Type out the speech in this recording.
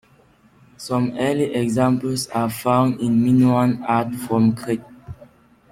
Some early examples are found in Minoan art from Crete.